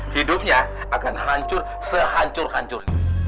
hidupnya akan hancur sehancur hancur